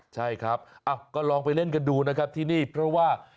ใช่ครับก็ลองไปเล่นกันดูนะครับที่นี่เพราะว่า